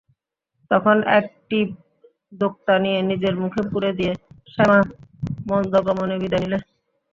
তখন এক টিপ দোক্তা নিয়ে নিজের মুখে পুরে দিয়ে শ্যামা মন্দগমনে বিদায় নিলে।